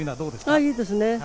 いいですね。